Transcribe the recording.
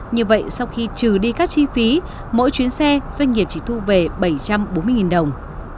như vậy sau khi trừ đi các chi phí mỗi chuyến xe doanh nghiệp chỉ thu về bảy trăm bốn mươi đồng